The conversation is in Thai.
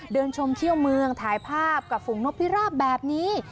เดินชมเที่ยวเมืองถ่ายภาพกับฝูงนกพิราบแบบนี้